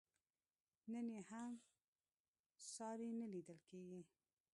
نن یې هم ساری نه لیدل کېږي.